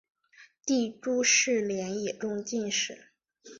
弟朱士廉也中进士。